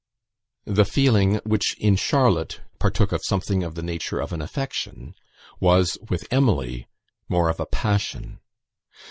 The feeling, which in Charlotte partook of something of the nature of an affection, was, with Emily, more of a passion.